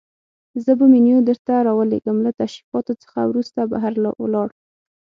زه به منیو درته راولېږم، له تشریفاتو څخه وروسته بهر ولاړ.